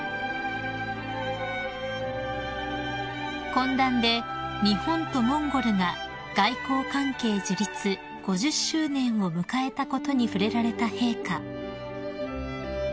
［懇談で日本とモンゴルが外交関係樹立５０周年を迎えたことに触れられた陛下］